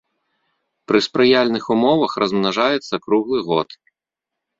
Пры спрыяльных умовах размнажаецца круглы год.